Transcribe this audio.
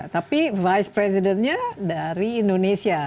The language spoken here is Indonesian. tapi vice presidentnya dari indonesia